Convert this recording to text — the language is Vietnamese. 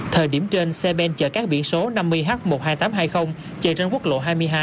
thời điểm trên xe ben chở các biển số năm mươi h một mươi hai nghìn tám trăm hai mươi chạy trên quốc lộ hai mươi hai